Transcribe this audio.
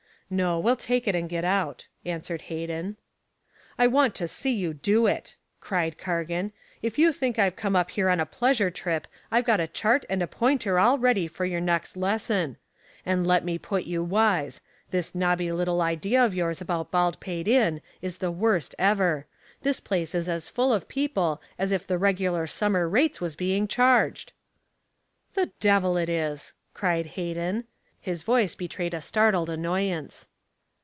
"No. We'll take it and get out," answered Hayden. "I want to see you do it," cried Cargan. "If you think I've come up here on a pleasure trip, I got a chart and a pointer all ready for your next lesson. And let me put you wise this nobby little idea of yours about Baldpate Inn is the worst ever. The place is as full of people as if the regular summer rates was being charged." "The devil it is!" cried Hayden. His voice betrayed a startled annoyance.